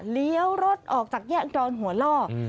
เลี้ยวรถออกจากเนี่ยอ่ะปังอนหัวล่ออืม